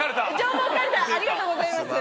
ありがとうございます。